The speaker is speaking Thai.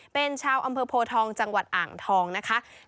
เป็นชาวอำเภอโพทองจังหวัดอ่างทองนะคะ